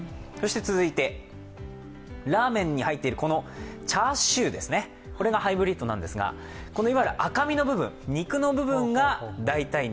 続いてラーメンに入っているチャーシューがハイブリッドなんですが、このいわゆる赤身の部分、肉の部分が代替肉。